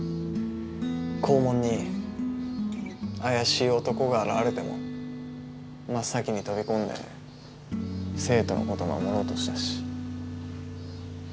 校門に怪しい男が現れても真っ先に飛び込んで生徒のこと守ろうとしたし。